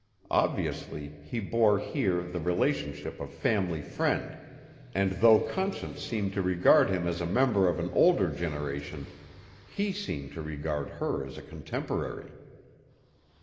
Obviously he bore, here, the relationship of family friend, and though Conscience seemed to regard him as a member of an older generation, he seemed to regard her as a contemporary.